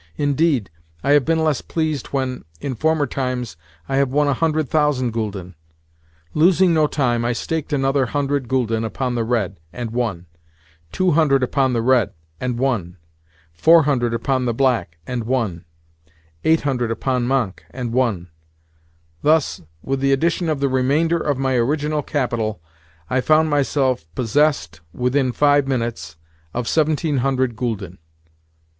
Indeed, I have been less pleased when, in former times, I have won a hundred thousand gülden. Losing no time, I staked another hundred gülden upon the red, and won; two hundred upon the red, and won; four hundred upon the black, and won; eight hundred upon manque, and won. Thus, with the addition of the remainder of my original capital, I found myself possessed, within five minutes, of seventeen hundred gülden.